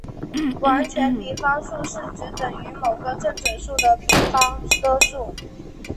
完全平方数是指等于某个正整数的平方的数。